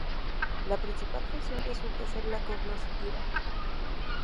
La principal función resulta ser la cognoscitiva.